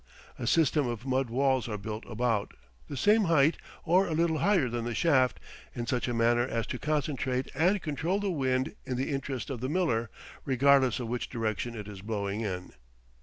A system of mud walls are built about, the same height or a little higher than the shaft, in such a manner as to concentrate and control the wind in the interest of the miller, regardless of which direction it is blowing in.